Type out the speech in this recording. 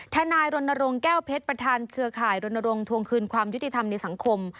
นายรณรงค์แก้วเพชรประธานเครือข่ายรณรงค์ทวงคืนความยุติธรรมในสังคม